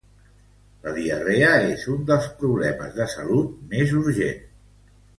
La diarrea és un dels problemes de salut més urgent.